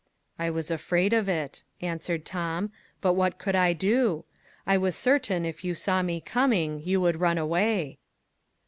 "I was afraid of it," answered Tom; "but what could I do? I was certain, if you saw me coming, you would run away."